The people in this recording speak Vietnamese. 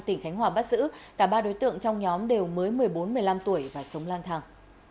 tỉnh khánh hòa bắt giữ cả ba đối tượng trong nhóm đều mới một mươi bốn một mươi năm tuổi và sống lang thang